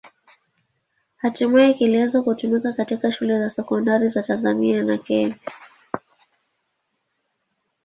Hatimaye kilianza kutumika katika shule za sekondari za Tanzania na Kenya.